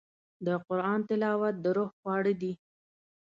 د قرآن تلاوت د روح خواړه دي.